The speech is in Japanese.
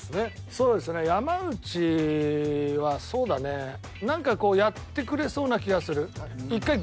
そうですね山内はそうだね何かこうやってくれそうな気がする。